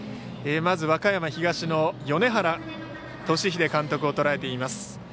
まず、和歌山東の米原寿秀監督をとらえています。